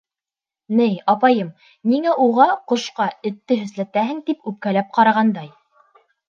Ней, апайым, ниңә уға, ҡошҡа, этте һөсләтәһең, тип үпкәләп ҡарағандай.